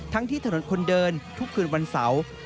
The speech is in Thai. ที่ถนนคนเดินทุกคืนวันเสาร์